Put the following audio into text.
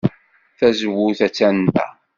Tazewwut attan da.